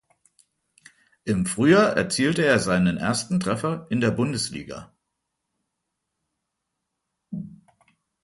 Im Frühjahr erzielte er seinen ersten Treffer in der Bundesliga.